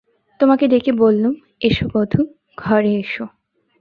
তোমাকে ডেকে বললুম, এসো বধূ, ঘরে এসো।